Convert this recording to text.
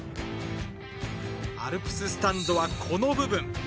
アルプススタンドはこの部分。